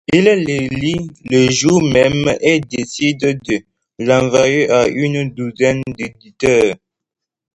Il le lit le jour même et décide de l’envoyer à une douzaine d’éditeurs.